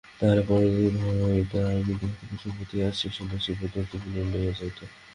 তাহার পরদিন হইতে আমি দেখিতাম কুসুম প্রত্যহ আসিয়া সন্ন্যাসীর পদধূলি লইয়া যাইত।